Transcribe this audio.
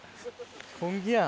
本気やん。